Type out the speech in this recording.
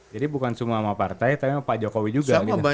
jadi bukan semua sama partai tapi pak jokowi juga